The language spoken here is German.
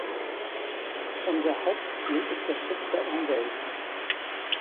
Unser Hauptziel ist der Schutz der Umwelt.